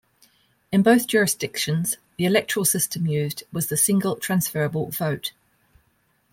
In both jurisdictions the electoral system used was the Single transferable vote.